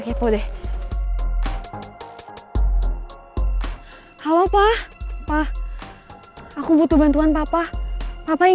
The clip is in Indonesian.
kalo rampe orman mau nyalakan